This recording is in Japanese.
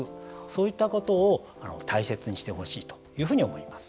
そういったことを大切にしてほしいというふうに思います。